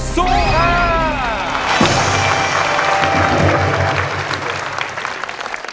สู้ค่ะ